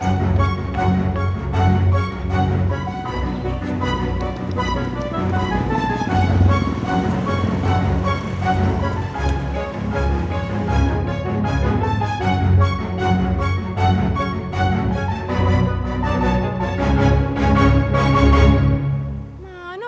mano gapersih banget